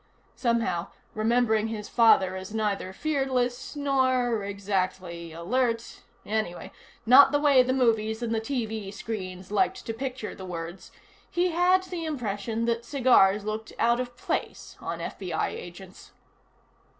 Somehow, remembering his father as neither fearless nor, exactly, alert anyway, not the way the movies and the TV screens liked to picture the words he had the impression that cigars looked out of place on FBI agents.